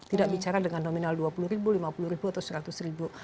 tidak bicara dengan nominal dua puluh ribu lima puluh ribu atau seratus ribu